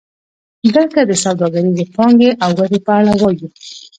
دلته د سوداګریزې پانګې او ګټې په اړه وایو